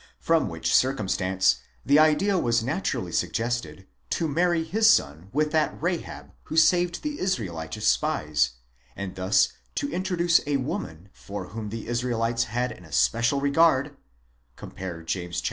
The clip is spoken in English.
from which cir cumstance the idea was naturally suggested, to marry his son with that Rahab who saved the Israelitish spies, and thus to introduce a woman for whom the Israelites had an especial regard (compare James ii.